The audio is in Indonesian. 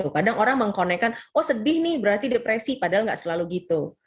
kadang orang mengkonekkan oh sedih nih berarti depresi padahal nggak selalu gitu